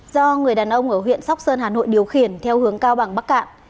do người đàn ông ở huyện sóc sơn hà nội điều khiển theo hướng cao bằng bắc cạn